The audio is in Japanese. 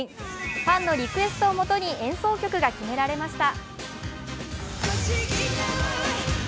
ファンのリクエストをもとに演奏曲が決められました。